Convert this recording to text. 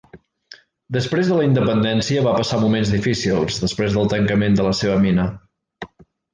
Després de la independència va passar moments difícils després del tancament de la seva mina.